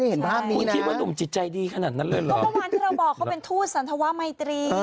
ต้องพบกับให้อันนี้